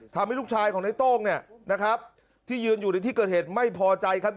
ทำให้ลูกชายของในโต้งเนี่ยนะครับที่ยืนอยู่ในที่เกิดเหตุไม่พอใจครับ